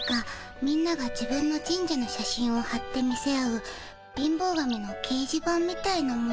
みんなが自分の神社の写真をはって見せ合う貧乏神のけいじ板みたいなもんです。